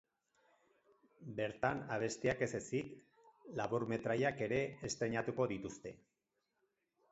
Bertan abestiak ez ezik, laburmetraiak ere estreinatuko dituzte.